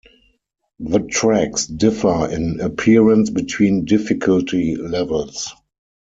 The tracks differ in appearance between difficulty levels.